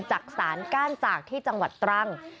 จากศาลก้านจากที่จังหวัดตรัง